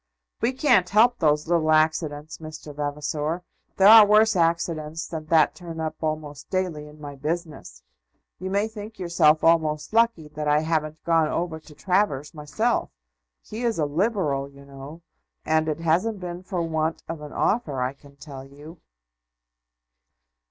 "We can't help those little accidents, Mr. Vavasor. There are worse accidents than that turn up almost daily in my business. You may think yourself almost lucky that I haven't gone over to Travers myself. He is a Liberal, you know; and it hasn't been for want of an offer, I can tell you."